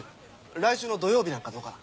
来週の土曜日なんかどうかな？